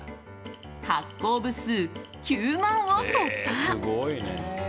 発行部数９万を突破！